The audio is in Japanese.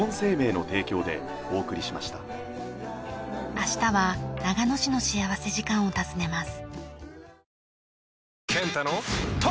明日は長野市の幸福時間を訪ねます。